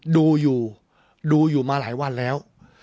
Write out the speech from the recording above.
ดูอยู่ดูอยู่มาหลายวันแล้ว